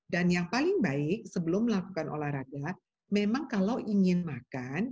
dan yang paling baik sebelum melakukan olahraga memang kalau ingin makan